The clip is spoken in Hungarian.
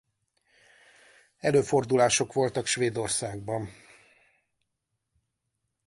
Előfordulások voltak Svédországban.